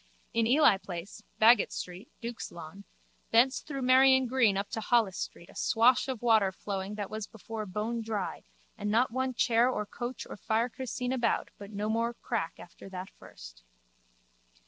In Ely place, Baggot street, Duke's lawn, thence through Merrion green up to Holles street a swash of water flowing that was before bonedry and not one chair or coach or fiacre seen about but no more crack after that first.